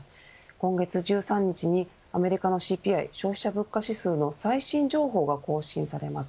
今月１３日にアメリカのＣＰＩ消費者物価指数の最新情報が更新されます。